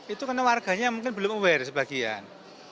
itu karena warganya mungkin belum aware sebagian